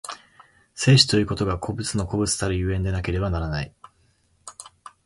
生死ということが個物の個物たる所以でなければならない。